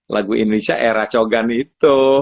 lagu indonesia era cogan itu